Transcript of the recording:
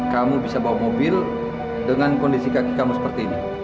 kamu bisa bawa mobil dengan kondisi kaki kamu seperti ini